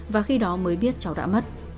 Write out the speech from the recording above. và khi đó mới biết cháu đã mất